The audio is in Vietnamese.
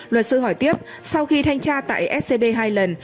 luật sư hỏi tiếp sau khi thanh tra tại scb hai lần